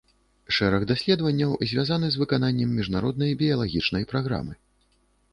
Шэраг даследаванняў звязаны з выкананнем міжнароднай біялагічнай праграмы.